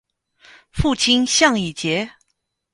父亲向以节。